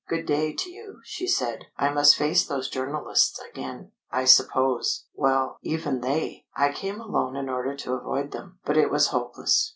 "Good day to you," she said. "I must face those journalists again, I suppose. Well, even they ! I came alone in order to avoid them. But it was hopeless.